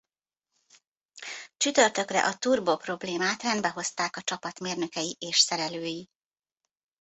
Csütörtökre a turbó problémát rendbe hozták a csapat mérnökei és szerelői.